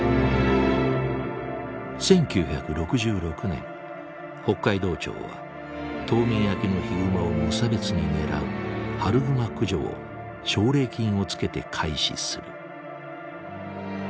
１９６６年北海道庁は冬眠明けのヒグマを無差別に狙う春グマ駆除を奨励金をつけて開始する。